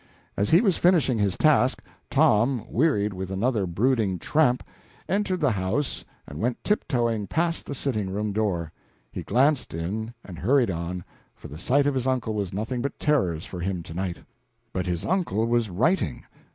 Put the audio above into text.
As he was finishing his task, Tom, wearied with another brooding tramp, entered the house and went tiptoeing past the sitting room door. He glanced in, and hurried on, for the sight of his uncle had nothing but terrors for him to night. But his uncle was writing!